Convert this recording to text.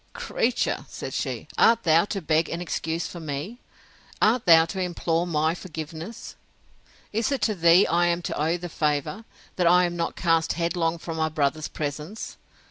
Creature, said she, art thou to beg an excuse for me?—Art thou to implore my forgiveness? Is it to thee I am to owe the favour, that I am not cast headlong from my brother's presence?